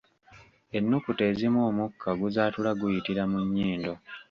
Ennukuta ezimu omukka oguzaatula guyitira mu nnyindo.